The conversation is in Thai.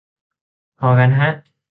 พอกันฮะ